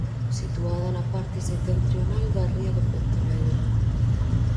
Situada na parte setentrional da ría de Pontevedra.